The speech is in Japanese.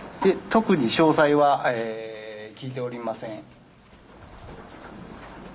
特に詳細は聞いておりません。